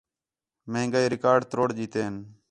مہنگائی ریکارڈ تروڑ ݙتئین